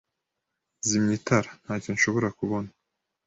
Zimya itara. Ntacyo nshobora kubona.